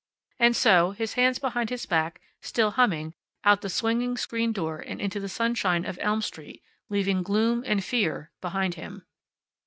And so, his hands behind his back, still humming, out the swinging screen door and into the sunshine of Elm Street, leaving gloom and fear behind him.